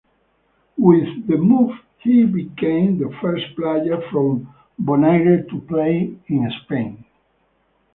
With the move he became the first player from Bonaire to play in Spain.